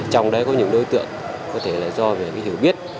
trong đấy có những đối tượng có thể là do về hiểu biết